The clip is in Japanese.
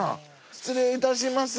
失礼いたします。